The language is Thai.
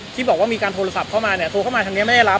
ที่บอกว่ามีการโทรศัพท์เข้ามาเนี่ยโทรเข้ามาทางนี้ไม่ได้รับ